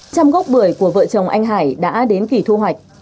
trăm gốc bưởi của vợ chồng anh hải đã đến kỳ thu hoạch